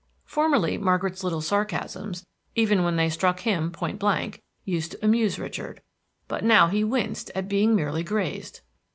Formerly Margaret's light sarcasms, even when they struck him point blank, used to amuse Richard, but now he winced at being merely grazed.